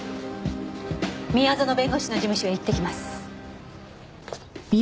宮園弁護士の事務所へ行ってきます。